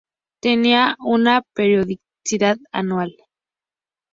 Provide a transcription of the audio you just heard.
Tenía una periodicidad anual.